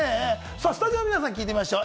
スタジオの皆さんに聞いてみましょう。